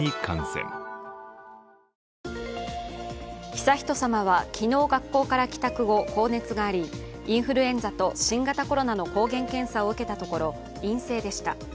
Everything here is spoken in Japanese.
悠仁さまは昨日、学校から帰宅後高熱がありインフルエンザと新型コロナの抗原検査を受けたところ陰性でした。